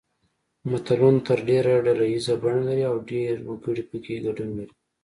متلونه تر ډېره ډله ییزه بڼه لري او ډېر وګړي پکې ګډون لري